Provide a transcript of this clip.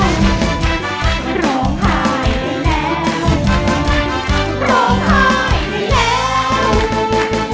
โรงหายได้แล้ว